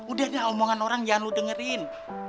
udah deh omongan orang jangan lu dengerin